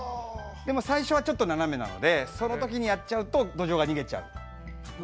最初は、ちょっと斜めなのでそのときにやっちゃうとどじょうが逃げちゃう。